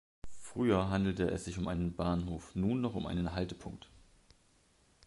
Früher handelte es sich um einen Bahnhof, nun noch um einen Haltepunkt.